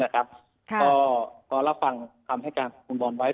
ก็รับฟังให้คุณบอลไว้